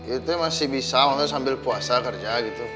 itu masih bisa maksudnya sambil puasa kerja gitu